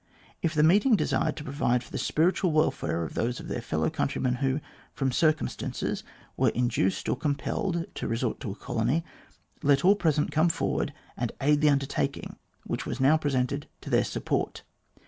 If the meeting desired to provide for the spiritual welfare of those of their fellow countrymen who, from circumstances, were induced or compelled to resort to a colony, let all present come forward and aid the undertaking which was now presented to their r support.